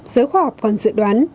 giới khoa học còn dự đoán